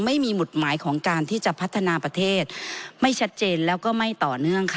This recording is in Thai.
ไม่มีหมุดหมายของการที่จะพัฒนาประเทศไม่ชัดเจนแล้วก็ไม่ต่อเนื่องค่ะ